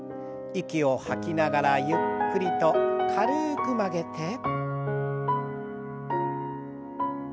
息を吐きながらゆっくりと軽く曲げて。